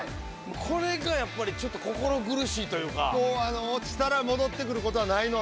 これがやっぱりちょっともう落ちたら戻ってくることはないので。